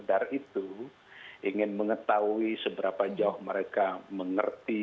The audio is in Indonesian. sadar itu ingin mengetahui seberapa jauh mereka mengerti